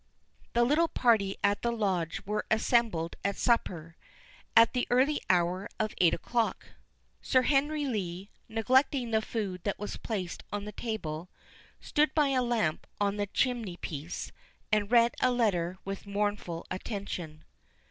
The little party at the Lodge were assembled at supper, at the early hour of eight o'clock. Sir Henry Lee, neglecting the food that was placed on the table, stood by a lamp on the chimney piece, and read a letter with mournful attention.